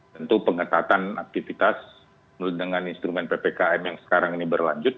tentu pengetatan aktivitas dengan instrumen ppkm yang sekarang ini berlanjut